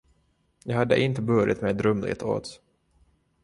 Jag hade inte burit mig drumligt åt.